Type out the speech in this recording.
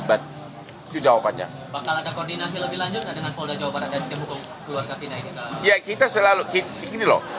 atau tidak dihilangkan oleh bgd